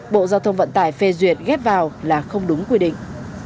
bộ giao thông vận tải phê duyệt ghép vào là không đúng quy định